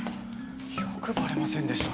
よくバレませんでしたね。